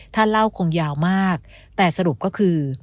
ถ้าเล่าคงยาวมากแต่สรุปก็คือ